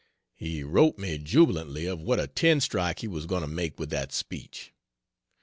He wrote me jubilantly of what a ten strike he was going to make with that speech.